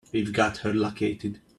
We've got her located.